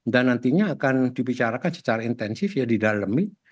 dan nantinya akan dibicarakan secara intensif ya di dalemi